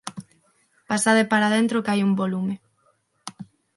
Pasade para dentro que hai un bo lume.